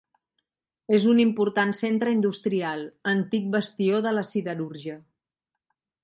És un important centre industrial, antic bastió de la siderúrgia.